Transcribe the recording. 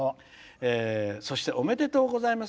そして、おめでとうございます。